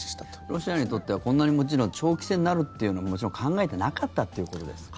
ロシアにとってはこんなに長期戦になるというのはもちろん考えてなかったということですか。